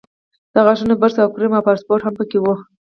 د غاښونو برس او کریم او پاسپورټ هم په کې وو.